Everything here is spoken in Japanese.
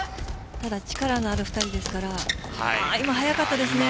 ただ、力のある２人ですから今、速かったですね。